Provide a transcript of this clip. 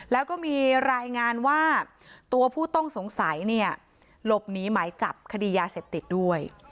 แล้วก็มีรายงานว่าตัวผู้ต้องสงสัยเนี่ยหลบหนีหมายจับคดียาเสพติดด้วย